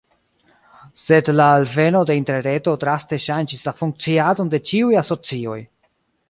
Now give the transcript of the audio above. Sed la alveno de interreto draste ŝanĝis la funkciadon de ĉiuj asocioj.